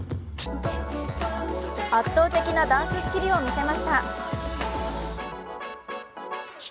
圧倒的なダンススキルを見せました。